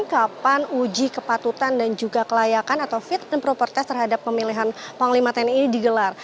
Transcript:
kapan uji kepatutan dan juga kelayakan atau fit and proper test terhadap pemilihan panglima tni ini digelar